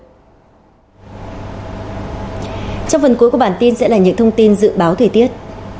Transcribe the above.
trong phần cuối của bản tin sẽ là những thông tin dự báo thời tiết